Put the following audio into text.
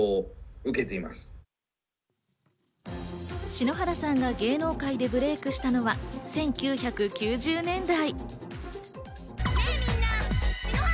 篠原さんが芸能界でブレークしたのは１９９０年代。